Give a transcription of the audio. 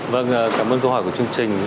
vâng cảm ơn câu hỏi của chương trình